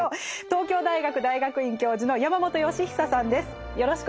東京大学大学院教授の山本芳久さんです。